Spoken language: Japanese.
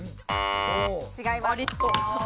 違います。